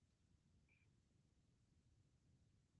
Uruhinja rwo muri Aziya rugenda mumuhanda